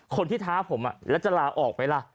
ท้าผมแล้วจะลาออกไหมล่ะ